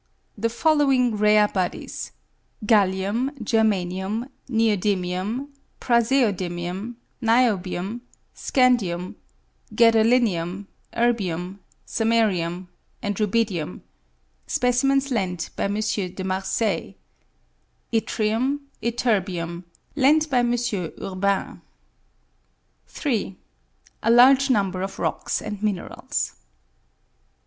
The following rare bodies :— Gallium, germanium, neodymium, praseodymium, niobium, scandium, gado linium, erbium, samarium, and rubidium (specimens lent by M. Demar^ay), yttrium, ytterbium (lent by M. Urbain). 3. A large number of rocks and minerals.